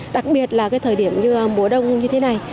đặc biệt là thời điểm như mùa đông như thế này